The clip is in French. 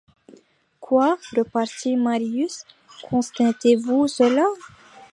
Quoi ! repartit Marius, contestez-vous cela ?